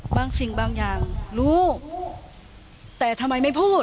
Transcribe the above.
บางสิ่งบางอย่างรู้แต่ทำไมไม่พูด